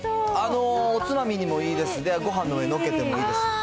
おつまみにもいいですし、ごはんの上にのっけてもいいです。